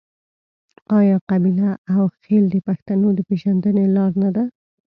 آیا قبیله او خیل د پښتنو د پیژندنې لار نه ده؟